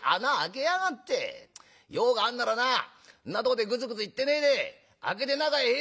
用があんならなあんなとこでグズグズ言ってねえで開けて中へ入れ」。